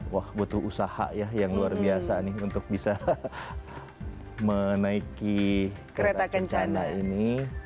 wah butuh usaha ya yang luar biasa nih untuk bisa menaiki kereta kencana ini